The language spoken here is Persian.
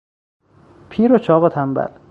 پیر و چاق و تنبل